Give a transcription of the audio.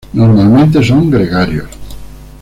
Normalmente son gregarios.